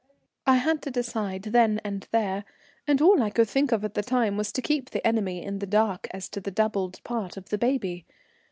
I had to decide then and there, and all I could think of at the time was to keep the enemy in the dark as to the doubled part of the baby.